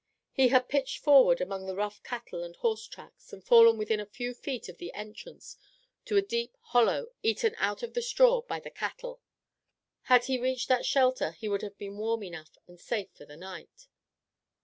He had pitched forward among the rough cattle and horse tracks and fallen within a few feet of the entrance to a deep hollow eaten out of the straw by the cattle. Had he reached that shelter he would have been warm enough and safe for the night.